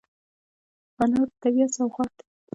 انار د طبیعت سوغات دی.